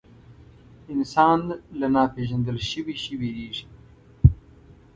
انسان له ناپېژندل شوي شي وېرېږي.